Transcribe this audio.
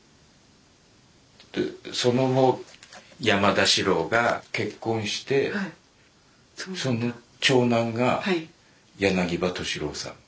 その後山田四郎が結婚してその長男が柳葉敏郎さん。